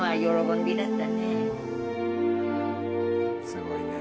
すごいね。